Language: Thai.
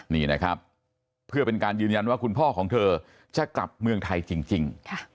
นี่นะครับเพื่อเป็นการยืนยันว่าคุณพ่อของเธอจะกลับเมืองไทยจริง